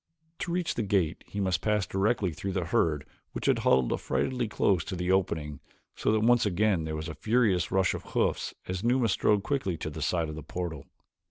To reach the gate he must pass directly through the herd which had huddled affrightedly close to the opening so that once again there was a furious rush of hoofs as Numa strode quickly to the side of the portal.